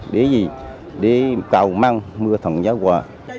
để gì để cầu mong mưa thẳng giá quả